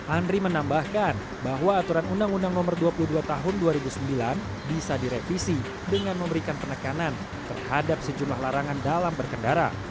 andri menambahkan bahwa aturan undang undang nomor dua puluh dua tahun dua ribu sembilan bisa direvisi dengan memberikan penekanan terhadap sejumlah larangan dalam berkendara